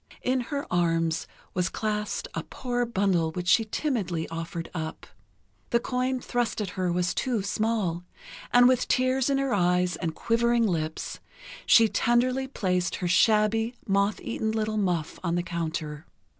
In her arms was clasped a poor bundle which she timidly offered up. The coin thrust at her was too small, and with tears in her eyes and quivering lips, she tenderly placed her shabby, moth eaten little muff on the counter.